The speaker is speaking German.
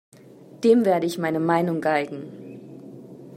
Dem werde ich meine Meinung geigen.